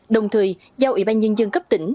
đồng thời giao ủy ban nhân dân cấp tỉnh